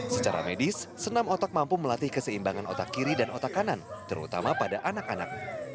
secara medis senam otak mampu melatih keseimbangan otak kiri dan otak kanan terutama pada anak anak